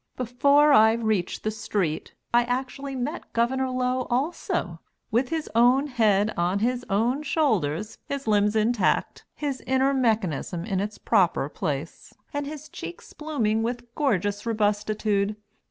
Before I reached the street, I actually met Gov. Low also, with his own head on his own shoulders, his limbs intact, his inner mechanism in its proper place, and his cheeks blooming with gorgeous robustitude.